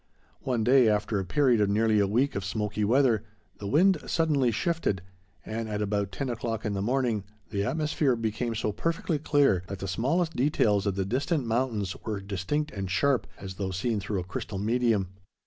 One day, after a period of nearly a week of smoky weather, the wind suddenly shifted, and, at about ten o'clock in the morning, the atmosphere became so perfectly clear that the smallest details of the distant mountains were distinct and sharp, as though seen through a crystal medium.